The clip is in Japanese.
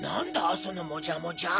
そのもじゃもじゃ。